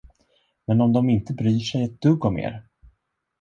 Men om de inte bryr sig ett dugg om er?